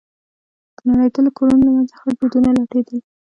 د نړېدلو کورونو له منځه خړ دودونه لټېدل.